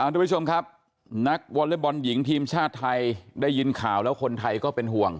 ทุกผู้ชมครับนักวอเล็กบอลหญิงทีมชาติไทยได้ยินข่าวแล้วคนไทยก็เป็นห่วง